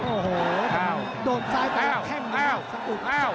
โอ้โหโดดซ้ายไปแค่นี้สักอุ่น